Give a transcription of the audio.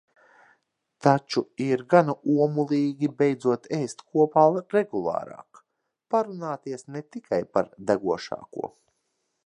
Taču ir gana omulīgi beidzot ēst kopā regulārāk, parunāties ne tikai par degošāko.